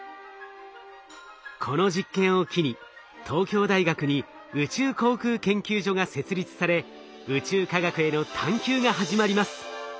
この実験を機に東京大学に宇宙航空研究所が設立され宇宙科学への探究が始まります。